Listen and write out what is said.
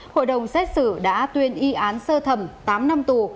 hội đồng xét xử đã tuyên y án sơ thẩm tám năm tù